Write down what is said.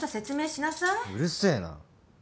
うるせえな。